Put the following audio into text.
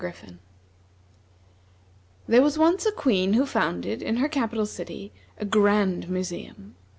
There was once a Queen who founded, in her capital city, a grand museum.